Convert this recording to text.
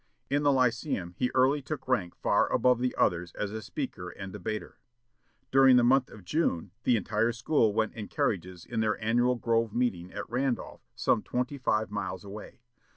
In the Lyceum, he early took rank far above the others as a speaker and debater. "During the month of June the entire school went in carriages to their annual grove meeting at Randolph, some twenty five miles away.